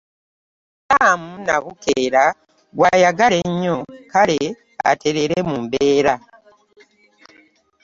Ssaamu Nnabukeera gw’ayagala ennyo kale atereere mu mbeera.